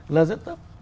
là rất tấp